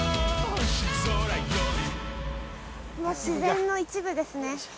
自然の一部ですね